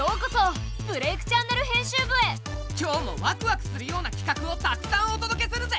今日もワクワクするようなきかくをたくさんお届けするぜ！